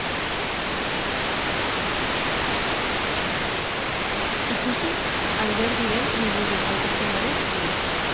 Ikusi Alberdiren liburu-aurkezpenaren bideoa.